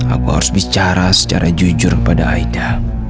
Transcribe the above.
aku harus bicara secara jujur pada aida